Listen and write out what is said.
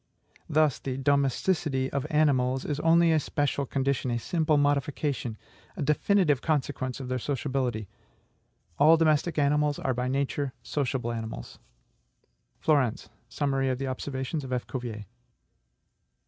Thus, the DOMESTICITY of animals is only a special condition, a simple modification, a definitive consequence of their SOCIABILITY. All domestic animals are by nature sociable animals."... Flourens: Summary of the Observations of F. Cuvier.